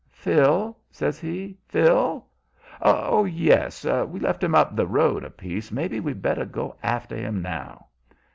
"Phil?" says he. "Phil? Oh, yes! We left him up the road a piece. Maybe we'd better go after him now."